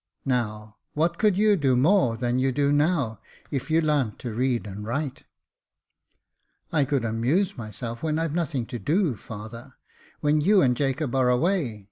Now, what could you do more than you do now, if you larnt to read and write ?" 202 Jacob Faithful " I could amuse myself when I've nothing to do, father, when you and Jacob are away.